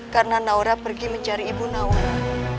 karena naura pergi mencari ibu naura